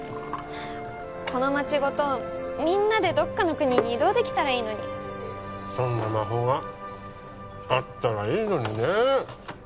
この街ごとみんなでどっかの国に移動できたらいいのにそんな魔法があったらいいのにね